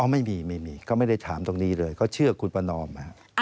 ไม่มีไม่มีเขาไม่ได้ถามตรงนี้เลยเขาเชื่อคุณประนอม